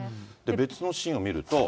別のシーンを見ると。